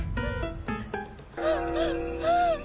あっああっ。